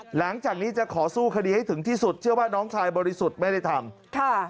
หลังจากนี้จะขอสู้คดีให้ถึงที่สุดเชื่อว่าน้องชายบริสุทธิ์ไม่ได้ทำค่ะ